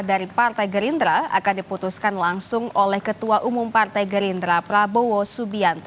dari partai gerindra akan diputuskan langsung oleh ketua umum partai gerindra prabowo subianto